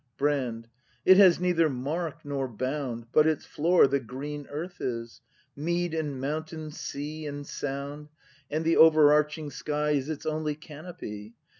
Brand. It has neither mark nor bound, But its floor the green earth is. Mead and mountain, sea and sound; And the overarching sky Is its only canopy.